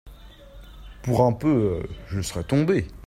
Pour un peu, je serais tombé.